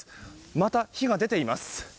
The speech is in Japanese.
また火が出ています。